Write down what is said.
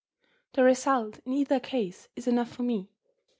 The result, in either case, is enough for me.